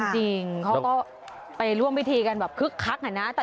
จริงเขาก็ไปร่วมพิธีกันแบบคึกคักอะนะ